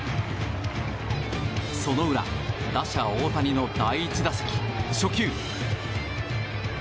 その裏、打者・大谷の第１打席初球。